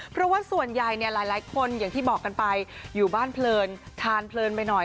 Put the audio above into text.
เพราะว่าส่วนใหญ่เนี่ยหลายคนอย่างที่บอกกันไปอยู่บ้านเพลินทานเพลินไปหน่อย